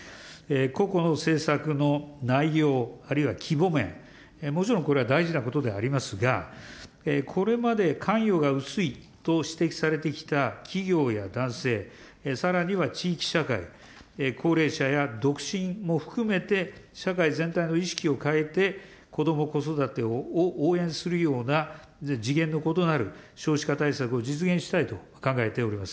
個々の政策の内容、あるいは規模面、もちろんこれは大事なことでありますが、これまで関与が薄いと指摘されてきた企業や男性、さらには地域社会、高齢者や独身も含めて、社会全体の意識を変えて、こども・子育てを応援するような次元の異なる少子化対策を実現をしたいと考えております。